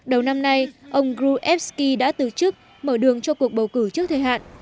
đầu năm nay ông grubevsky đã từ chức mở đường cho cuộc bầu cử trước thời hạn